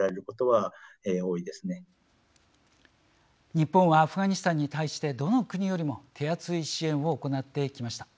日本はアフガニスタンに対してどの国よりも手厚い支援を行ってきました。